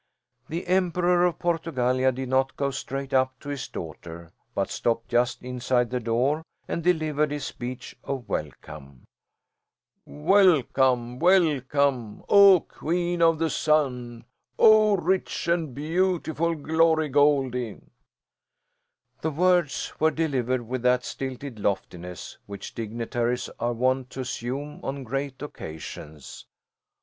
The Emperor of Portugallia did not go straight up to his daughter but stopped just inside the door and delivered his speech of welcome. "Welcome, welcome, O queen of the Sun! O rich and beautiful Glory Goldie!" The words were delivered with that stilted loftiness which dignitaries are wont to assume on great occasions.